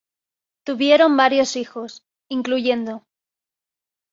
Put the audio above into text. Tuvieron varios hijos, incluyendo.